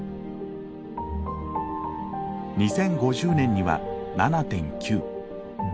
２０５０年には７．９。